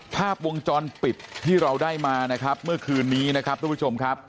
ภาพวงจรปิดที่เราได้มานะครับเมื่อคืนนี้นะครับทุกผู้ชมครับ